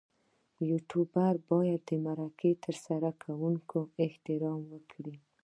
یوټوبر باید د مرکه ترسره کوونکي احترام وکړي.